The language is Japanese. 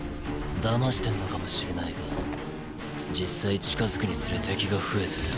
騙してンのかもしれないが実際近付くにつれ敵が増えてる。